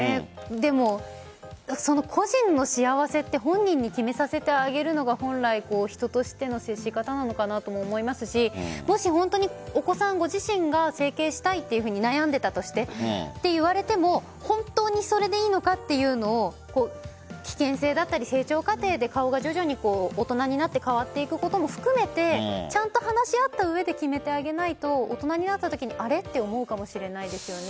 でも、個人の幸せって本人に決めさせてあげるのが本来、人としての接し方なのかなと思いますしもし本当に、お子さんご自身が整形したいと悩んでいたとして言われても本当にそれでいいのかというのを危険性だったり成長過程で顔が徐々に大人になって変わっていくことも含めてちゃんと話し合った上で決めてあげないと大人になったときにあれ？と思うかもしれないですよね。